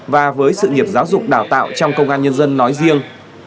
và với sự nghiệp giáo dục đào tạo trong công an nhân dân nói riêng